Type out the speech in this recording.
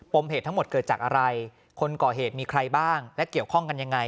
มเหตุทั้งหมดเกิดจากอะไรคนก่อเหตุมีใครบ้างและเกี่ยวข้องกันยังไง